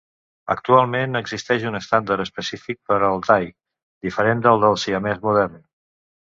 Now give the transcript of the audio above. Actualment existeix un estàndard específic per al thai, diferent del del siamès modern.